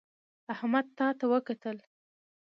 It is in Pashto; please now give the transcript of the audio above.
احمد تا ته وکتل